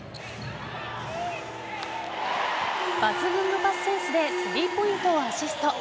抜群のパスセンスでスリーポイントをアシスト。